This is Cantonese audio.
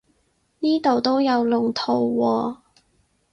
呢度都有龍圖喎